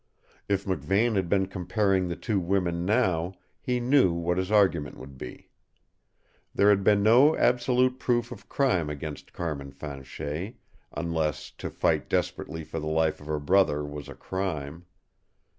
If McVane had been comparing the two women now, he knew what his argument would be. There had been no absolute proof of crime against Carmin Fanchet, unless to fight desperately for the life of her brother was a crime.